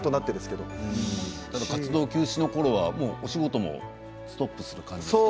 活動休止のころはお仕事もストップする感じですか。